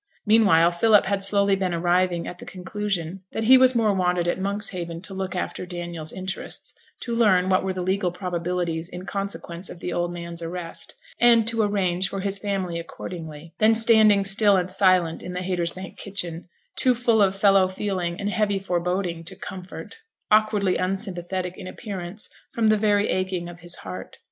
Meanwhile Philip had slowly been arriving at the conclusion that he was more wanted at Monkshaven to look after Daniel's interests, to learn what were the legal probabilities in consequence of the old man's arrest, and to arrange for his family accordingly, than standing still and silent in the Haytersbank kitchen, too full of fellow feeling and heavy foreboding to comfort, awkwardly unsympathetic in appearance from the very aching of his heart.